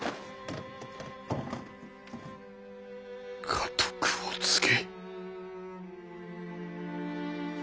家督を継げ。